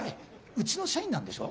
うちの社員なんでしょ？